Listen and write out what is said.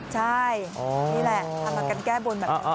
ใช่นี่แหละทำมากันแก้บนแบบนี้